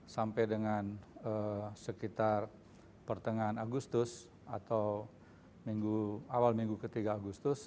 sampai dengan sekitar pertengahan agustus atau awal minggu ketiga agustus